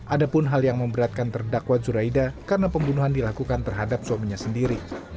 ada pun hal yang memberatkan terdakwa zuraida karena pembunuhan dilakukan terhadap suaminya sendiri